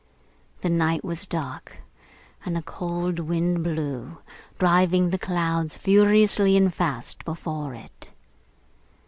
The night was dark, and a cold wind blew, driving the clouds, furiously and fast, before it.